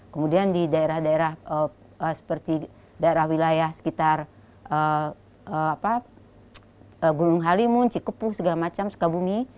kemudian di daerah daerah seperti daerah wilayah sekitar gunung halimun cikepuh segala macam sukabumi